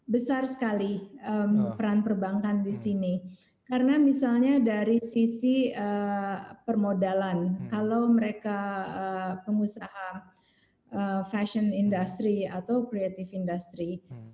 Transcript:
besar sekali peran perbankan di sini karena misalnya dari sisi permodalan kalau mereka pengusaha fashion industry atau creative industry